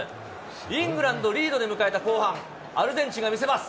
イングランドリードで迎えた後半、アルゼンチンが見せます。